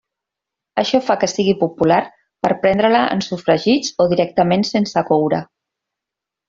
Això fa que sigui popular per prendre-la en sofregits o directament sense coure.